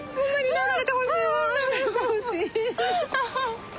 流れてほしい。